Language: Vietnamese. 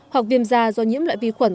hoặc viêm da do nhiễm loại vi khuẩn